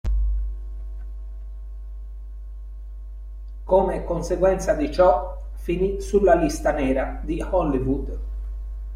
Come conseguenza di ciò, finì sulla "lista nera" di Hollywood.